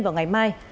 và ngày mai